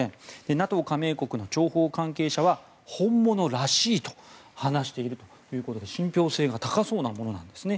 ＮＡＴＯ加盟国の情報関係者は本物らしいと話しているということで信憑性が高そうなものなんですね。